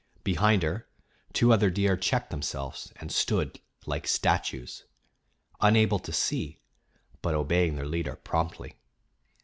Behind her two other deer checked themselves and stood like statues, unable to see, but obeying their leader promptly.